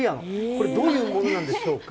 これ、どういうものなんでしょうか。